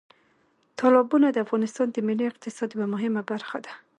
تالابونه د افغانستان د ملي اقتصاد یوه مهمه برخه ده.